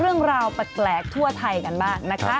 เรื่องราวแปลกทั่วไทยกันบ้างนะคะ